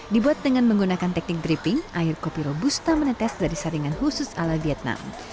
dibuat dengan menggunakan teknik dripping air kopi robusta menetes dari saringan khusus ala vietnam